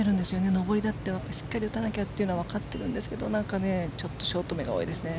上りだってしっかり打たなきゃってわかっているんですけどショートめが多いですね。